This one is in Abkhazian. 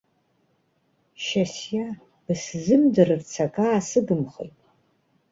Шьасиа, бысзымдырырц акаасыгымхеит!